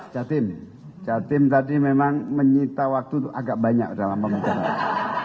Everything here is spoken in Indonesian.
jatim jatim tadi memang menyita waktu itu agak banyak dalam pemecahan